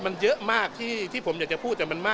มันเยอะมากที่ผมอยากจะพูด